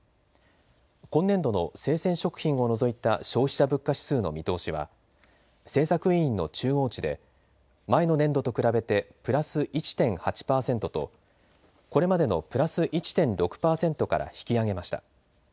今年度の生鮮食品を除いた消費者物価指数の見通しは政策委員の中央値で前の年度と比べてプラス１．８％とこれまでのプラス１．６％から引き上げました。